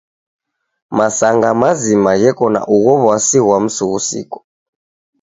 Masanga mazima gheko na ugho w'asi ghwa msughusiko.